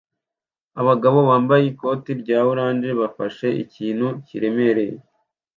Abagabo bambaye ikoti ryiza rya orange bafashe ikintu kiremereye